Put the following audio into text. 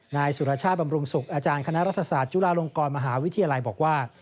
นายสุรชาติบำรุงศุกร์อาจารย์คณะรัฐศาสตร์จุฬาลงกรมหาวิทยาลัยบอกว่า